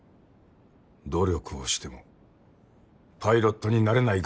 努力をしてもパイロットになれない学生はいる。